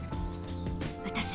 私